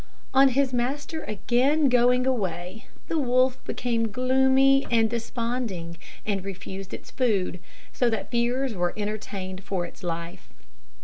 On its master again going away, the wolf became gloomy and desponding, and refused its food, so that fears were entertained for its life.